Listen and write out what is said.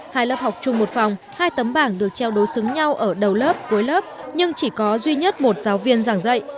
hai lớp học chung một phòng hai tấm bảng được treo đối xứng nhau ở đầu lớp cuối lớp nhưng chỉ có duy nhất một giáo viên giảng dạy